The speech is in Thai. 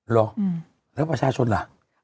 แล้วประชาชนล่ะ